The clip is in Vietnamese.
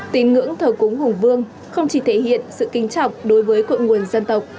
tín ngưỡng thờ cúng hùng vương không chỉ thể hiện sự kính trọng đối với cội nguồn dân tộc